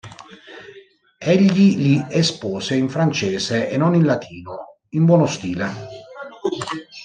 Egli li espose in francese e non in latino, in buono stile.